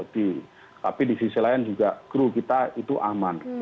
tapi di sisi lain juga kru kita itu aman